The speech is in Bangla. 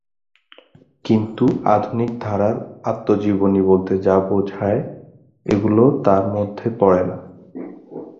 কিন্তু আধুনিক ধারার আত্মজীবনী বলতে যা বোঝায়, এগুলি তার মধ্যে পড়ে না।